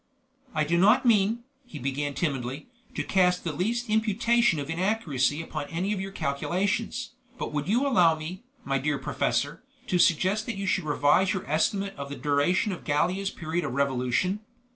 "I do not mean," he began timidly, "to cast the least imputation of inaccuracy upon any of your calculations, but would you allow me, my dear professor, to suggest that you should revise your estimate of the duration of Gallia's period of revolution.